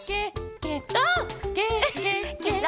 「ケケケケロ！」